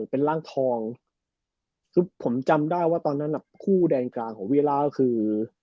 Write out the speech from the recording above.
เป็นร่างทองคือผมจำได้ว่าตอนนั้นคู่แดงกลางของเวียล่าก็คือ